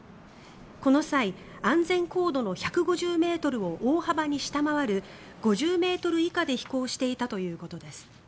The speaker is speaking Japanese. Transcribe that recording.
この際、安全高度の１５０ｍを大幅に下回る５０ｍ以下で飛行していたということです。